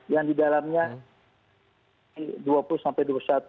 yang di dalamnya dua puluh sampai dua puluh satu